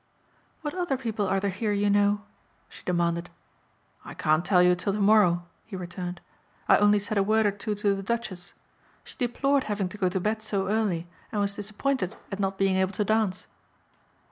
"What other people are there here you know?" she demanded. "I can't tell you till tomorrow," he returned, "I only said a word or two to the Duchess. She deplored having to go to bed so early and was disappointed at not being able to dance."